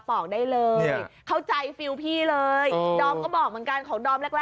บอกได้เลยเข้าใจฟิลพี่เลยดอมก็บอกเหมือนกันของดอมแรกแรก